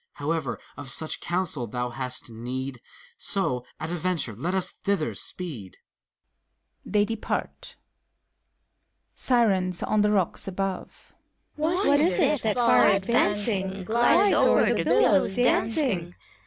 However, of such counsel thou hast need ; So, at a venture, let us thither speed ! [They depart. SIRENS (on the rocks above). What is 't, that, far advancing. Glides o'er the billows dancing?